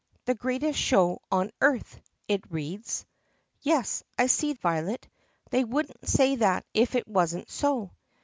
THE GREATEST SHOW ON EARTH/ it reads." "Yes, I see, Violet. They wouldn't say that if it wasn't so."